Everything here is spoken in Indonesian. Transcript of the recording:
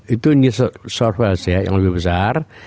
itu new south wales ya yang lebih besar